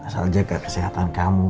asal jaga kesehatan kamu